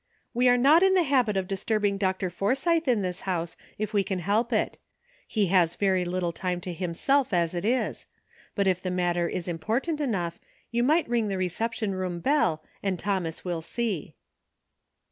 "We are not in the habit of disturbing Dr. Forsythe in this house if we can help it. He has very little time to himself as it is ; but if the matter is important enough, you might ring the reception room bell, and Thomas will see."